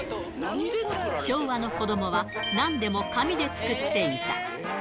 昭和の子どもはなんでも紙で作っていた。